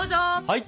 はい！